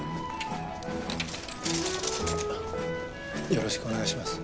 よろしくお願いします。